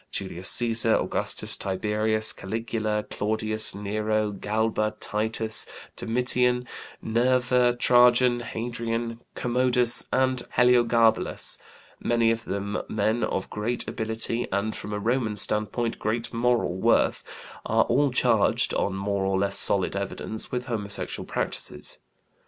Julius Cæsar, Augustus, Tiberius, Caligula, Claudius, Nero, Galba, Titus, Domitian, Nerva, Trajan, Hadrian, Commodus, and Heliogabalus many of them men of great ability and, from a Roman standpoint, great moral worth are all charged, on more or less solid evidence, with homosexual practices.